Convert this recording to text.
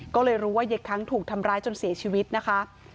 ก็เลยรู้ว่ายายค้างถูกทำร้ายจนเสียชีวิตนะคะ